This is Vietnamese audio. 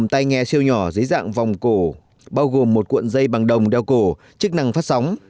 tay nghe siêu nhỏ dưới dạng vòng cổ bao gồm một cuộn dây bằng đồng đeo cổ chức năng phát sóng